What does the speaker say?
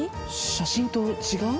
写真と違う。